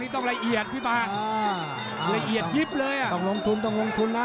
ต้องลงทุนต้องลงทุนนะ